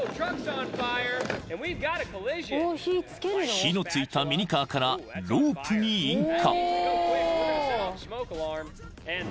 ［火の付いたミニカーからロープに引火］